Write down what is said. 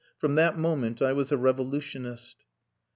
From that moment I was a revolutionist."